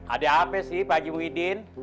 ada apa sih pak haji muhyiddin